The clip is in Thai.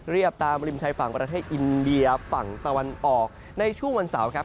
ตามริมชายฝั่งประเทศอินเดียฝั่งตะวันออกในช่วงวันเสาร์ครับ